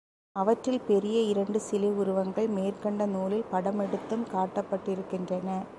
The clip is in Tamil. அவற்றில் பெரிய இரண்டு சிலை உருவங்கள் மேற்கண்ட நூலில் படமெடுத்தும் காட்டப்பட்டிருக்கின்றன.